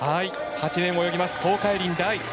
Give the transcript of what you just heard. ８レーンを泳ぎます東海林大。